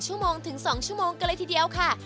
ราว๑ชั่วโมงถึง๒ชั่วโมงก็เลยทีเดียวนะคะ